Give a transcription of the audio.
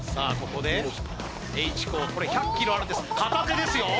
ここでＨ鋼これ１００ｋｇあるんです片手ですよ